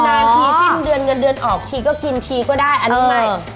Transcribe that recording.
นาทีสิ้นเดือนเงินเดือนออกทีก็กินชีก็ได้อันนี้ไม่